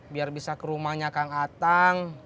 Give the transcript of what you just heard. biar bisa ke rumahnya kang atang